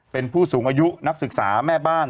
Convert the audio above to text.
เป็นผู้สูงอายุนักศึกษาแม่บ้าน